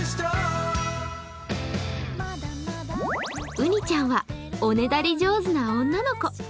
ウニちゃんは、おねだり上手な女の子。